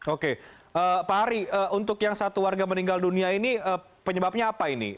oke pak hari untuk yang satu warga meninggal dunia ini penyebabnya apa ini